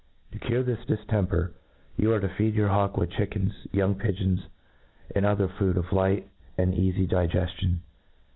To cure this diftemper, you arc to feed your hawk with chickens, young pigeons, and other food of liglrt and eafy digeftion.